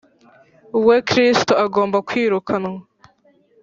we Kristo agomba kwirukanwa